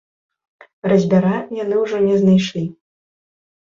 Разьбяра яны ўжо не знайшлі.